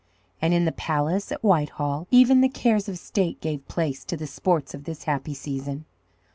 And in the palace at Whitehall even the cares of state gave place to the sports of this happy season.